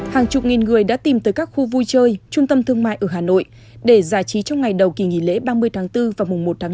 hàng chục nghìn người đã tìm tới các khu vui chơi trung tâm thương mại ở hà nội để giải trí trong ngày đầu kỳ nghỉ lễ ba mươi tháng bốn và mùng một tháng năm